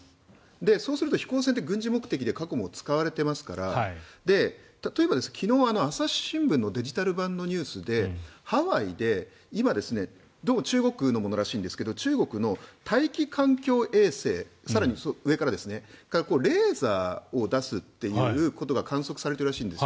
そうすると飛行船って軍事目的で過去にも使われていますから例えば、昨日、朝日新聞のデジタル版のニュースでハワイで今どうも中国のものらしいんですが中国の大気環境衛星更に、上からレーザーを出すということが観測されているらしいんです。